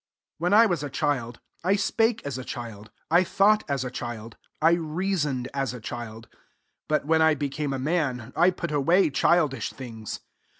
1 1 When I was a child, I spake as a child, I thought as a child, I reasoned as a child : but when I became a man, I put away childish things.